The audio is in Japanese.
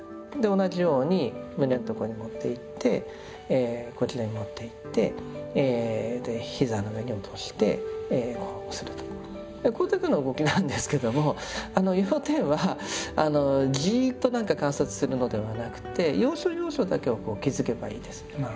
同じように胸の所に持っていってこちらに持っていって膝の上に落としてこれだけの動きなんですけども要点はじっと観察するのではなくて要所要所だけを気づけばいいです。